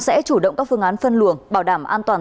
sẽ chủ động các phương án phân luồng bảo đảm an toàn